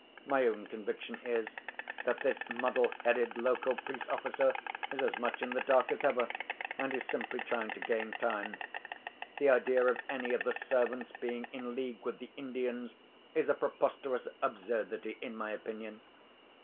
My own conviction is, that this muddle headed local police officer is as much in the dark as ever, and is simply trying to gain time. The idea of any of the servants being in league with the Indians is a preposterous absurdity, in my opinion.